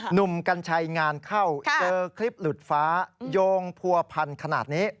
หนุ่มกัญชัยงานเข้าเจอคลิปหลุดฟ้าโยงผัวพันขนาดนี้